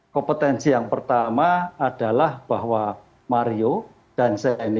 kompetensi yang pertama adalah bahwa mario dan saya ini